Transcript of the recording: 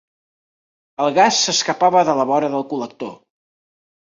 El gas s'escapava de la vora del col·lector.